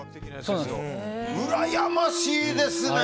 うらやましいですね！